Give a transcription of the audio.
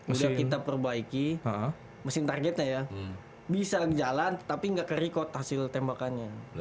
udah kita perbaiki mesin targetnya ya bisa jalan tapi nggak ke record hasil tembakannya